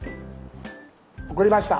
送りました。